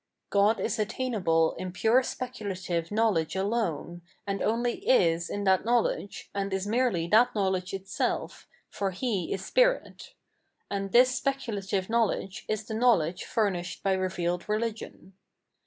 God is attainable in pure speculative know 772 Phenomenology of Mind ledge alone, and only is in that knowledge, and is merely that knowledge itself, for He is spirit ; and this specula tive knowledge is the knowledge furnished by revealed religion.